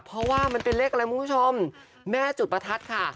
เพราะว่ามันเป็นเลขอะไรคุณผู้ชมแม่จุดประทัดค่ะ